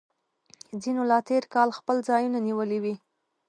ځینو لا تیر کال خپل ځایونه نیولي وي